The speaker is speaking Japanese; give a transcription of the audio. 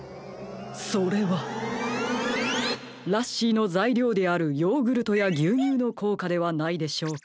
それはラッシーのざいりょうであるヨーグルトやぎゅうにゅうのこうかではないでしょうか？